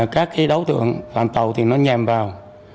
các đối tượng làm tàu thì nó nhằm vào